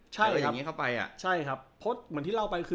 ใช่ครับเพราะเหมือนที่เล่าไป